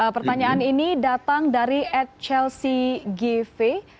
pertanyaan ini datang dari ed chelsea givy